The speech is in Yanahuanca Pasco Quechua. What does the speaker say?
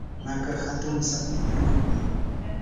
maka hatun sapiyuqmi.